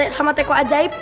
sama teko ajaib